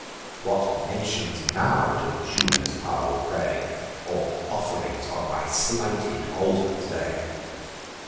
What nations now to Juno's pow'r will pray, Or off'rings on my slighted altars lay?"